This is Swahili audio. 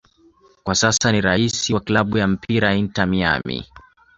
Kwa sasa ni raisi wa klabu ya mpira Inter Miami